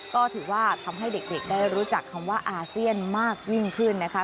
ก็ถือว่าทำให้เด็กได้รู้จักคำว่าอาเซียนมากยิ่งขึ้นนะคะ